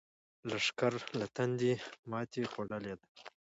لښکر له تندې ماتې خوړلې ده.